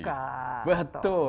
orang tidak suka